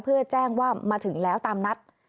เพื่อแจ้งว่ามาถึงแล้วตามนัด